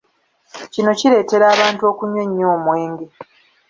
Kino kireetera abantu okunywa ennyo omwenge.